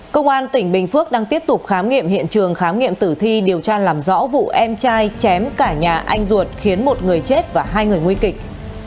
công an tỉnh bình phước đang tiếp tục khám nghiệm hiện trường khám nghiệm tử thi điều tra làm rõ vụ em trai chém cả nhà anh ruột khiến một người chết và hai người nguy kịch